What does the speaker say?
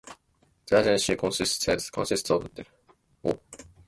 The agency consists of a director and seven deputy directors.